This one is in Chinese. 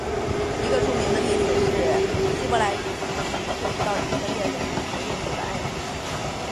一个最著名的例子是希伯来语从死语恢复到以色列人日常用语的案例。